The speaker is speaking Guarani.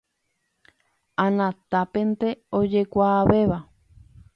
Anatápente ojekuaavéva.